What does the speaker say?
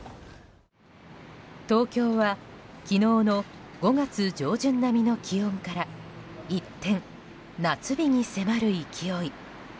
東京は昨日の５月上旬並みの気温から一転、夏日に迫る勢い。